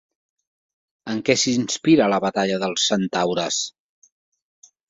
En què s'inspira La Batalla dels centaures?